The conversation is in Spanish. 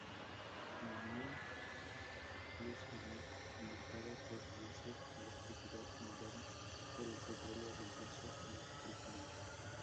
La nueva luz alimentada por diesel-electricidad generada por el petróleo reemplazó a la original.